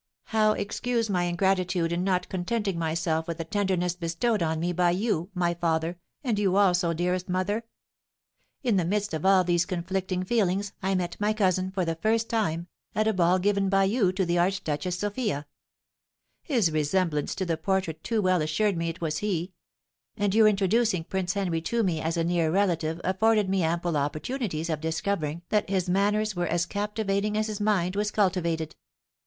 How excuse my ingratitude in not contenting myself with the tenderness bestowed on me by you, my father, and you, also, dearest mother? In the midst of all these conflicting feelings I met my cousin, for the first time, at a ball given by you to the Archduchess Sophia; his resemblance to the portrait too well assured me it was he; and your introducing Prince Henry to me as a near relative afforded me ample opportunities of discovering that his manners were as captivating as his mind was cultivated."